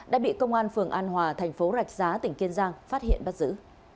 đã bị công an phường an hòa thành phố rạch giá tỉnh kiên giang phát hiện bắt giữ